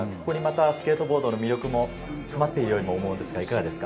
スケートボードの魅力も詰まっているようにも思うんですが。